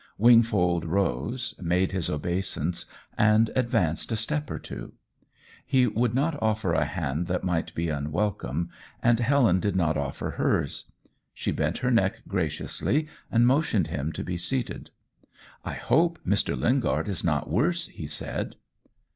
Wingfold rose, made his obeisance, and advanced a step or two. He would not offer a hand that might be unwelcome, and Helen did not offer hers. She bent her neck graciously, and motioned him to be seated. "I hope Mr. Lingard is not worse," he said.